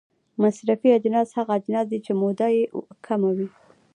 مصرفي اجناس هغه اجناس دي چې موده یې کمه وي.